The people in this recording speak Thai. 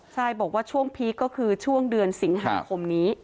ใช่บอกว่าช่วงพีคก็คือช่วงเดือนสิงหาคมนี้